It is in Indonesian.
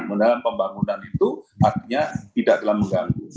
menurut pembangunan itu artinya tidak dalam mengganggu